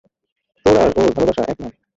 তোর আর ওর ভালোবাসা এক নয়।